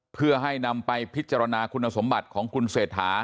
เพื่อให้นำไปพิจารณาคุณสมบัติของคุณเศรษฐา